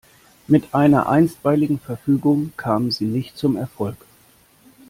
Mit einer Einstweiligen Verfügung kamen sie nicht zum Erfolg.